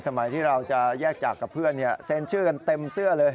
ที่เราจะแยกจากกับเพื่อนเซ็นชื่อกันเต็มเสื้อเลย